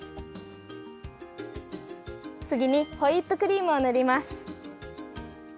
つぎにホイップクリームをぬります。